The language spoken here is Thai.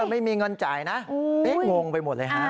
ไม่มีเงินจ่ายนะติ๊กงงไปหมดเลยฮะ